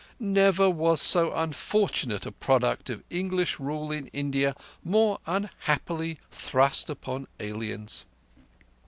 Never was so unfortunate a product of English rule in India more unhappily thrust upon aliens.